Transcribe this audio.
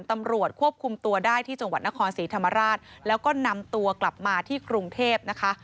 ตำรวจควบคุมตัวได้ที่จังหวัดนครศรีธรรมราชแล้วก็นำตัวกลับมาที่กรุงเทพนะคะ